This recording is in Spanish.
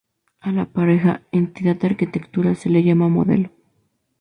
A la pareja entidad-arquitectura se la llama modelo.